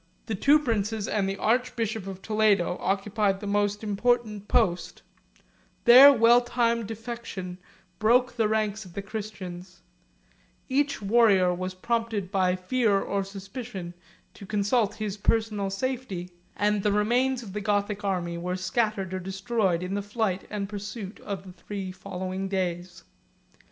The two princes and the archbishop of Toledo occupied the most important post; their well timed defection broke the ranks of the Christians; each warrior was prompted by fear or suspicion to consult his personal safety; and the remains of the Gothic army were scattered or destroyed to the flight and pursuit of the three following days.